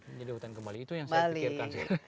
menjadi hutan kembali itu yang saya pikirkan